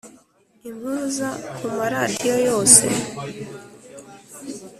Impuruza kuma radio yose